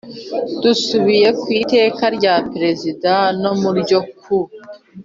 Dusubiye ku Iteka rya Perezida no ryo ku